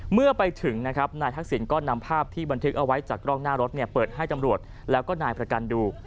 เมื่อไปถึงนะครับนายทักษิณก็นำภาพที่บันทึกเอาไว้จากกล้องหน้ารถเปิดให้ตำรวจแล้วก็นายประกันดู